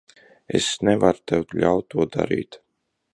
Es nevaru tev ļaut to darīt.